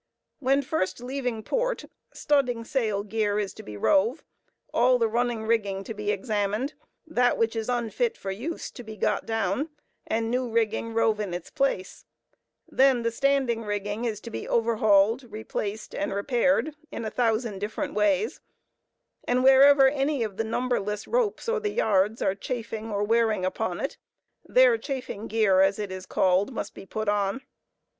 When first leaving port, studding sail gear is to be rove, all the running rigging to be examined, that which is unfit for use to be got down, and new rigging rove in its place; then the standing rigging is to be overhauled, replaced, and repaired, in a thousand different ways; and wherever any of the numberless ropes or the yards are chafing or wearing upon it, there "chafing gear," as it is called, must be put on.